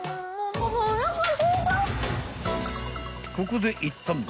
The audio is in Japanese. ［ここでいったん］